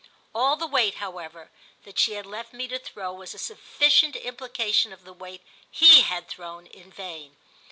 All the weight, however, that she left me to throw was a sufficient implication of the weight he had thrown in vain.